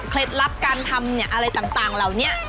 ลับการทำอะไรต่างเหล่านี้